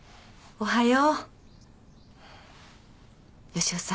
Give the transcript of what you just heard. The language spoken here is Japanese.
おはよう。